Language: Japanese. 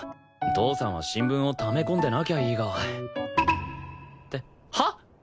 父さんは新聞をため込んでなきゃいいがってはっ？